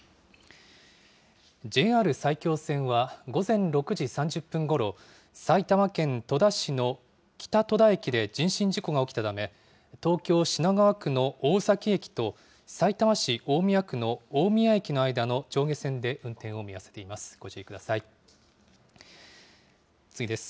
ＪＲ埼京線は、午前６時３０分ごろ、埼玉県戸田市の北戸田駅で人身事故が起きたため、東京・品川区の大崎駅とさいたま市大宮区の大宮駅の間の上下線で運転を見合わせています。